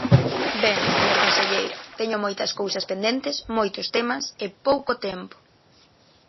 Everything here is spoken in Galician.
Ben, señor conselleiro, teño moitas cousas pendentes, moitos temas e pouco tempo.